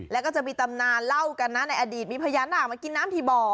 แล้วก็จะมีตำนานเล่ากันนะในอดีตมีพญานาคมากินน้ำที่บ่อ